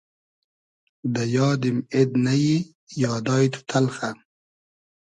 دۂ یادیم اېد نئیی یادای تو تئلخۂ